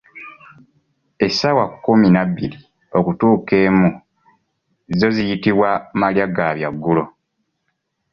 Essaawa kkumi nabbiri okutuuka emu zo ziyitibwa "malya ga byaggulo".